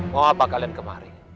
mau apa kalian kemari